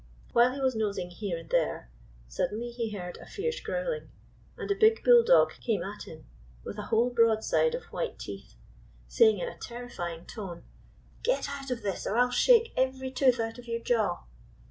While he was nosing here and there, suddenly he heard a fierce growling, and a big bulldog came at him with a whole broadside of white teeth, saying in a terrifying tone: u Get out of this, or I 'll shake every tooth out of your jaw!"